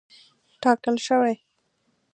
ټاکل شوې.